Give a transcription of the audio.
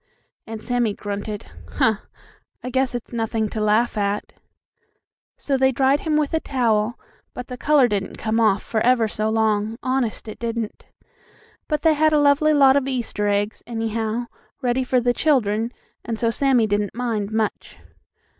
And Sammie grunted: "Huh! I guess it's nothing to laugh at!" So they dried him with a towel, but the color didn't come off for ever so long, honest it didn't. But they had a lovely lot of Easter eggs, anyhow, ready for the children, and so Sammie didn't mind much.